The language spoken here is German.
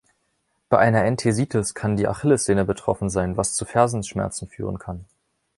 Bei einer Enthesitis kann die Achillessehne betroffen sein, was zu Fersenschmerzen führen kann.